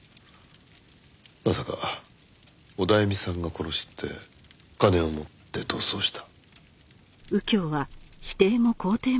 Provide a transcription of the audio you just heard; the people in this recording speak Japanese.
まさかオダエミさんが殺して金を持って逃走した。